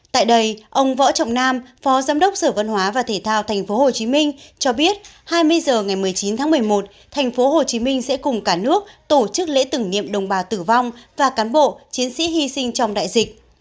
tại đây ông võ trọng nam phó giám đốc sở văn hóa và thể thao tp hcm cho biết hai mươi h ngày một mươi chín tháng một mươi một tp hcm sẽ cùng cả nước tổ chức lễ tưởng niệm đồng bào tử vong và cán bộ chiến sĩ hy sinh trong đại dịch